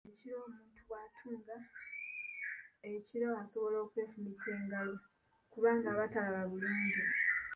Ekiro omuntu bw'atunga ekiro asobola okwefumita engalo kubanga aba talaba bulungi.